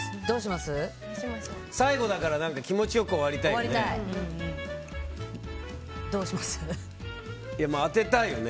最後だから気持ちよく終わりたいよね。